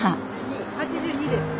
８２です。